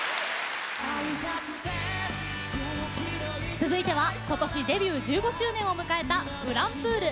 続いては今年デビュー１５周年を迎えたｆｌｕｍｐｏｏｌ。